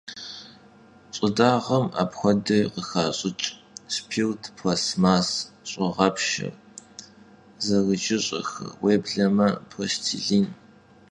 Ş'ıdağem apxuedeui khıxaş'ıç' spirt, plastmass, ş'ığepşşer, zerıjış'exer, vuêbleme, plastilin.